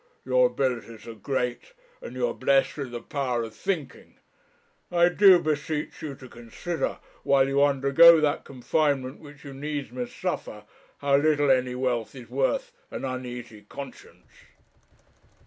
Your abilities are great, and you are blessed with the power of thinking; I do beseech you to consider, while you undergo that confinement which you needs must suffer, how little any wealth is worth an uneasy conscience.'